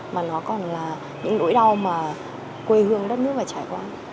mà nó còn là những nỗi đau mà quê hương đất nước phải trải qua